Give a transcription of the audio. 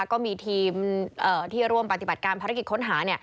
ก็มีทีมที่ร่วมปฏิบัติการภารกิจค้นหา